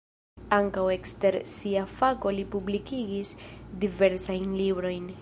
Ankaŭ ekster sia fako li publikigis diversajn librojn.